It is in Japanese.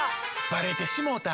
バレてしもうた！